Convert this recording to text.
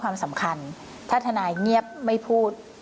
ความสำคัญถ้าทนายเงียบไม่พูด